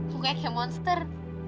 mukanya kayak monster